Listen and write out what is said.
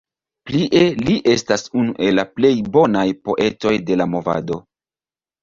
Plie li estas unu el la plej bonaj poetoj de la Movado.